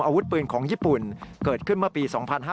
อาวุธปืนของญี่ปุ่นเกิดขึ้นเมื่อปี๒๕๕๙